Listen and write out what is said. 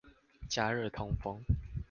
加熱通風